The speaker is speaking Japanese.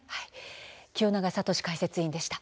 清永聡解説委員でした。